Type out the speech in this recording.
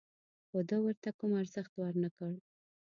خو ده ورته کوم ارزښت ور نه کړ.